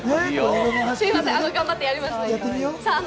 すみません、頑張ってやりますので。